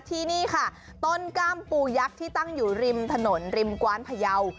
ที่นี่ค่ะต้นกล้ามปูยักษ์ที่ตั้งอยู่ริมถนนริมกว้านพยาว